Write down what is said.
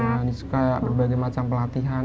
ya ilmunya suka berbagai macam pelatihan